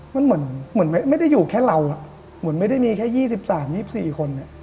มันเหมือนไม่ได้อยู่แค่เราเหมือนไม่ได้มีแค่๒๓๒๔คน